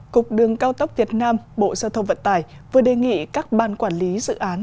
cục đường cao tốc việt nam bộ giao thông vận tải vừa đề nghị các ban quản lý dự án